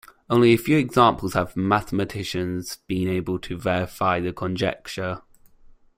Only in a few examples have mathematicians been able to verify the conjecture.